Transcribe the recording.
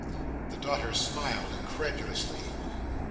The daughter smiled incredulously.